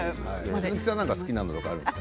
鈴木さんは好きなのあるんですか？